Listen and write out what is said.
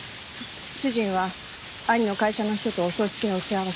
主人は兄の会社の人とお葬式の打ち合わせを。